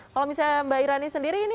kalau misalnya mbak irani sendiri ini